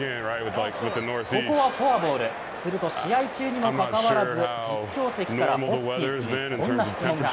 ここはフォアボール、すると試合中にもかかわらず実況席からホスキンスにこんな質問が。